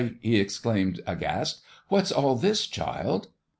he ex claimed aghast ;" what's all this, child